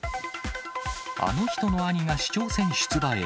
あの人の兄が市長選出馬へ。